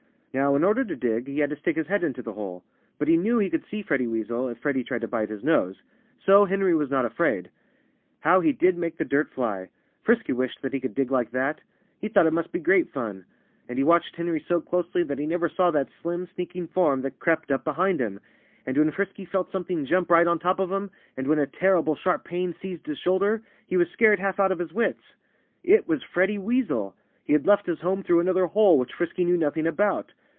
Now, in order to dig, he had to stick his head into the hole. But he knew he could see Freddie Weasel if Freddie tried to bite his nose; so Henry was not afraid. How he did make the dirt fly! Frisky wished that he could dig like that. He thought it must be great fun. And he watched Henry so closely that he never saw that slim, sneaking form that crept up behind him. And when Frisky felt something jump right on top of him, and when a terrible, sharp pain seized his shoulder, he was scared half out of his wits. It was Freddie Weasel! He had left his home through another hole, which Frisky knew nothing about.